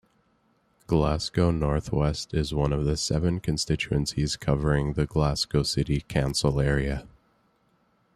Glasgow North West is one of seven constituencies covering the Glasgow City council area.